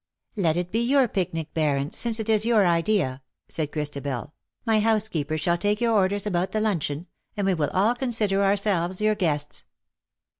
" Let it be your picnic, Baron, since it is your idea," said Christabel ;" my housekeeper shall take your orders about the luncheon, and we will all consider ourselves your guests."